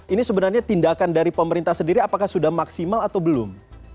ini sebenarnya tindakan dari pemerintah sendiri apakah sudah maksimal atau belum